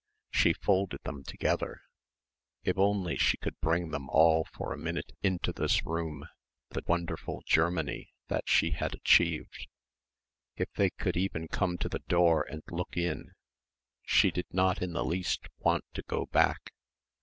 She folded them together. If only she could bring them all for a minute into this room, the wonderful Germany that she had achieved. If they could even come to the door and look in. She did not in the least want to go back.